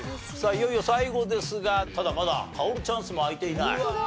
いよいよ最後ですがただまだ薫チャンスも開いていない。